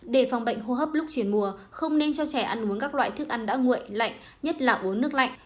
để phòng bệnh hô hấp lúc chuyển mùa không nên cho trẻ ăn uống các loại thức ăn đã nguội lạnh nhất là uống nước lạnh